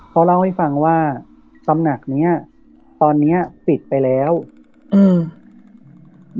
เขาเล่าให้ฟังว่าตำหนักเนี้ยตอนเนี้ยปิดไปแล้วอืม